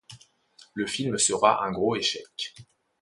Le film sera un gros échec.